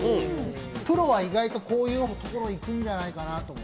プロは意外とこういうところいくんじゃないかなと。